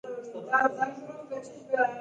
د یو څیز په جوړونه کې ښکلا په پام کې نیولې ده.